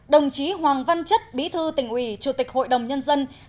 đồng chí hoàng văn chất bí thư tỉnh ủy chủ tịch hội đồng nhân dân